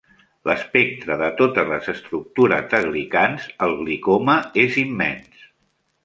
L'espectre de totes les estructures de glicans, el glicoma, és immens.